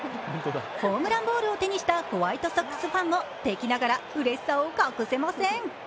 ホームランボールを手にしたホワイトソックスファンも敵ながらうれしさを隠せません。